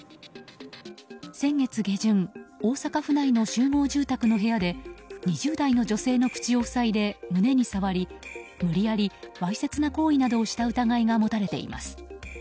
先月下旬大阪府内の集合住宅の部屋で２０代の女性の口を塞いで胸に触り無理やり、わいせつな行為などをした疑いが持たれています。